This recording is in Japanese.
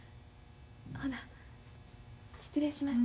ほな失礼します。